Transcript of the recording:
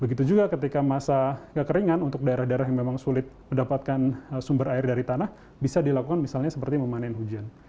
begitu juga ketika masa kekeringan untuk daerah daerah yang memang sulit mendapatkan sumber air dari tanah bisa dilakukan misalnya seperti memanen hujan